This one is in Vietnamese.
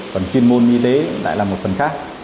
còn chuyên môn y tế lại là một phần khác